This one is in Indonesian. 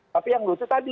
tapi yang lucu tadi